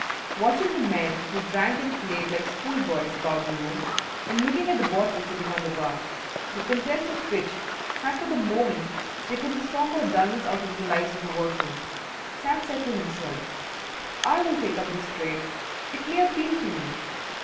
Watching the men who drank and played like school boys about the room, and looking at the bottle sitting on the bar, the contents of which had for the moment taken the sombre dulness out of the lives of the workmen, Sam said to himself, "I will take up this trade. It may appeal to me.